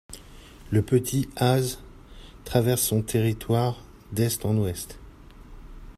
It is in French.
Le petit Hase traverse son territoire d'est en ouest.